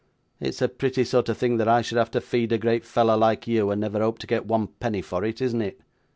It's a pretty sort of thing that I should have to feed a great fellow like you, and never hope to get one penny for it, isn't it?